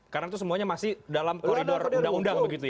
karena itu semuanya masih dalam koridor undang undang begitu ya